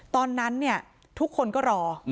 ตอนนั้นเนี่ยทุกคนก็รอ